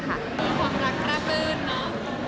ความรักน่าเบิ้ลเนอะ